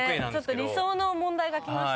理想の問題がきました。